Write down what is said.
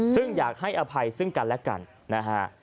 ซึ่งอยากให้อภัยซึ่งกันและกันนะฮะ